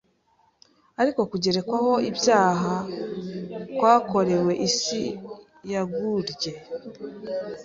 Ariko kugerekwaho ibyaha kwakorewe isi yagurye